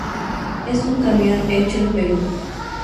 Es un camión hecho en Perú.